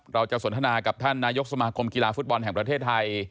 เราจะส่วนธนากับท่านนายกสมหากลมกีฬาฟุตบอลแห่งประเทศไทย